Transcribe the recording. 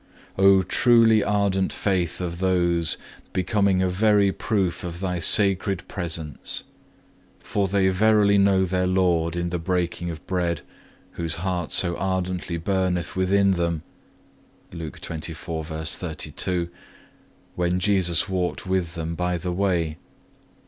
2. O truly ardent faith of those, becoming a very proof of Thy Sacred Presence! For they verily know their Lord in the breaking of bread, whose heart so ardently burneth within them(1) when Jesus walketh with them by the way.